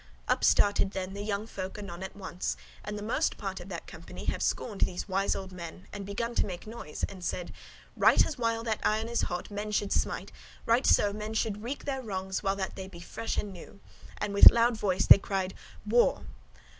Up started then the young folk anon at once, and the most part of that company have scorned these old wise men and begun to make noise and said, "Right as while that iron is hot men should smite, right so men should wreak their wrongs while that they be fresh and new:" and with loud voice they cried. "War! War!"